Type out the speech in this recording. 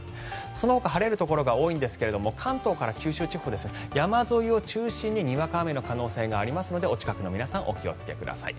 そのほか晴れるところが多いんですが関東から九州地方は山沿いを中心ににわか雨の可能性がありますのでお近くの皆さんお気をつけください。